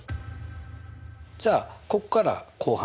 じゃあここから後半。